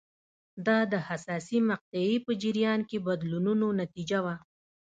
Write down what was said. دا د حساسې مقطعې په جریان کې بدلونونو نتیجه وه.